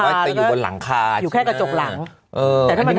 หลังพานู้นลองค่ะอยู่แค่กระจกหลังเออแต่ถ้ามันมันมัน